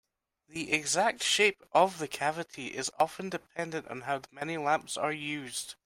The exact shape of the cavity is often dependent on how many lamps are used.